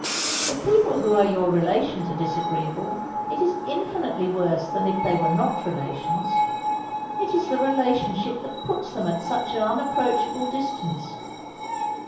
If people who are your relations are disagreeable, it is infinitely worse than if they were not relations. It is the relationship that puts them at such an unapproachable distance.